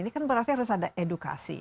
ini kan berarti harus ada edukasi